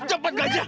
biasa melayuk woy ya